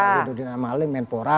pak edudina malik menpora